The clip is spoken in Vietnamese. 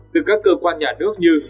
từ các cơ quan nhà nước như